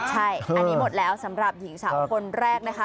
ใช่อันนี้หมดแล้วสำหรับหญิงสาวคนแรกนะคะ